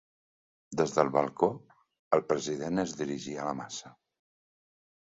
Des del balcó, el president es dirigí a la massa.